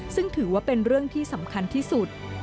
ซึ่งถือว่าเป็นเรื่องที่สำคัญที่สุด